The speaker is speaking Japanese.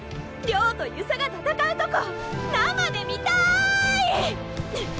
亮と遊佐が戦うとこ生で見たぁいっ！！